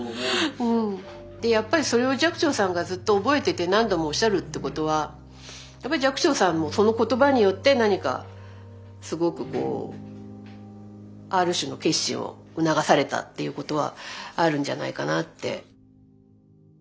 でやっぱりそれを寂聴さんがずっと覚えてて何度もおっしゃるってことはやっぱり寂聴さんもその言葉によって何かすごくこうある種の決心を促されたっていうことはあるんじゃないかなって。